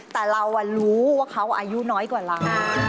แต่เรารู้ว่าเขาอายุน้อยกว่าเรา